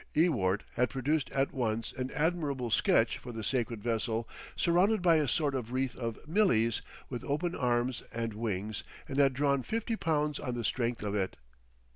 Ewart had produced at once an admirable sketch for the sacred vessel surrounded by a sort of wreath of Millies with open arms and wings and had drawn fifty pounds on the strength of it.